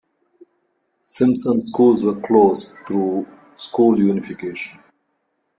Simpson schools were closed through school unification.